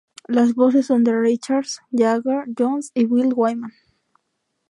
Las voces son de Richards, Jagger, Jones y Bill Wyman.